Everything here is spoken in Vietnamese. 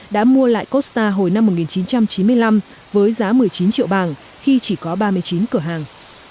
đã mua lại costa hồi năm một nghìn chín trăm chín mươi năm với giá một mươi chín triệu bảng khi chỉ có ba mươi chín cửa hàng